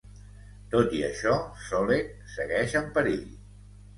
Tot i això, Solek segueix en perill.